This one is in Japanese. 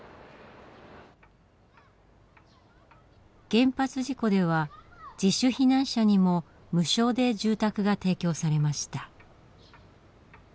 原発事故では自主避難者にも無償で住宅が提供されました。